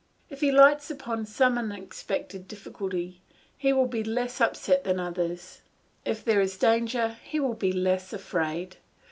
If he lights upon some unexpected difficulty, he will be less upset than others; if there is danger he will be less afraid.